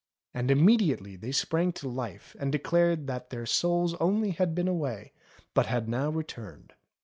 And immediately they sprang to life and declared that their souls only had been away, but had now returned.